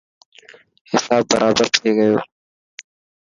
هساب برابر ٿي گيو.